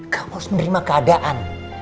kamu harus menerima keadaan